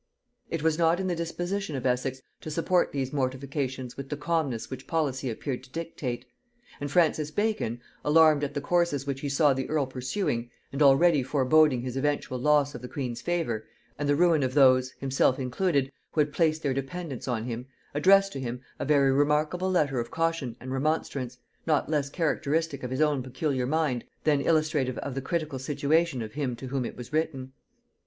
It was not in the disposition of Essex to support these mortifications with the calmness which policy appeared to dictate; and Francis Bacon, alarmed at the courses which he saw the earl pursuing, and already foreboding his eventual loss of the queen's favor, and the ruin of those, himself included, who had placed their dependence on him, addressed to him a very remarkable letter of caution and remonstrance, not less characteristic of his own peculiar mind than illustrative of the critical situation of him to whom it was written.